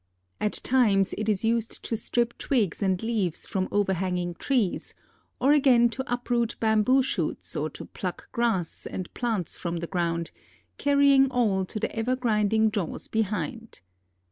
At times it is used to strip twigs and leaves from overhanging trees, or again to uproot bamboo shoots or to pluck grass and plants from the ground, carrying all to the ever grinding jaws behind.